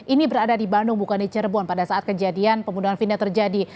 ini berada di bandung bukan di cirebon pada saat kejadian pembunuhan vina terjadi